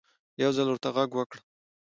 يو ځل ورته غږ وکړه